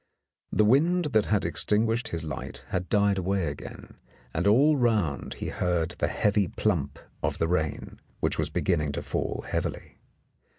The wind that had extinguished his light had died away again, and all round he heard the heavy plump of the rain, which was beginning to fall heavily.